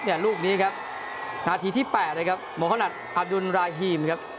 เนี่ยรูปนี้ครับนาทีที่๘เลยครับหมอขนาดอับยุนราฮีมครับ